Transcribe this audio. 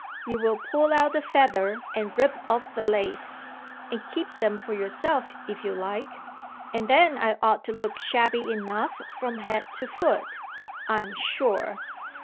You will pull out the feather and rip off the lace (and keep them for yourself, if you like), and then I ought to look shabby enough from head to foot, I am sure!